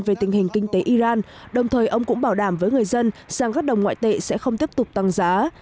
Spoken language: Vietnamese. về tình hình kinh tế iran đồng thời ông cũng bảo đảm với người dân rằng các đồng ngoại tệ sẽ không tiếp tục tăng giá